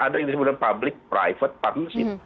ada yang disebut public private partner